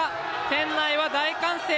店内は大歓声。